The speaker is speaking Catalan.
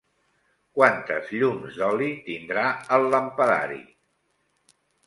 Quantes llums d'oli tindrà el lampadari?